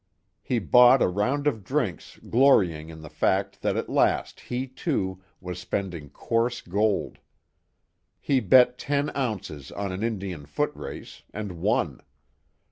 He bought a round of drinks glorying in the fact that at last he, too, was spending coarse gold. He bet ten ounces on an Indian foot race, and won.